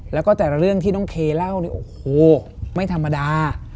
และก็แต่เรื่องที่น้องเคเล่าโอ้โหไม่ธรรมดา